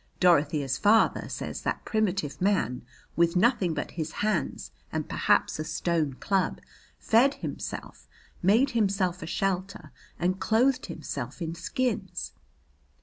Dorothea's father says that primitive man, with nothing but his hands and perhaps a stone club, fed himself, made himself a shelter, and clothed himself in skins.